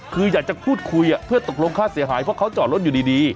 คืออยากจะพูดคุยเพื่อตกลงค่าเสียหายเพราะเขาจอดรถอยู่ดี